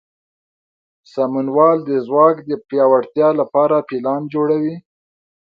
سمونوال د ځواک د پیاوړتیا لپاره پلان جوړوي.